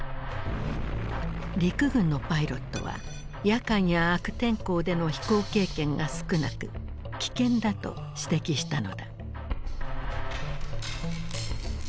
陸軍のパイロットは夜間や悪天候での飛行経験が少なく危険だと指摘したのだ。